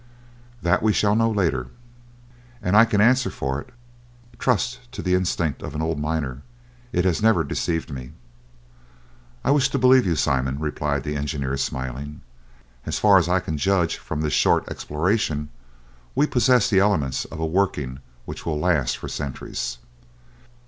"That we shall know later." "And I can answer for it! Trust to the instinct of an old miner! It has never deceived me!" "I wish to believe you, Simon," replied the engineer, smiling. "As far as I can judge from this short exploration, we possess the elements of a working which will last for centuries!"